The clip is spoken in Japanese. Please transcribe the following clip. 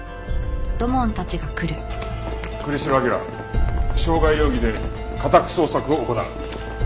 栗城明良傷害容疑で家宅捜索を行う。